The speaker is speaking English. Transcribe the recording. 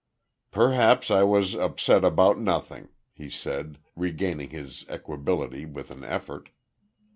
"Perhaps I was upset about nothing," he said, regaining his equability with an effort.